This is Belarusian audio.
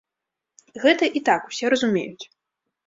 Гэта і так усе разумеюць.